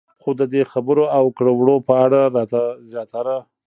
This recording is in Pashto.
خو د دې د خبرو او کړو وړو په اړه راته زياتره